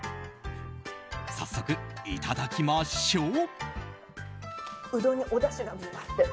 早速いただきましょう。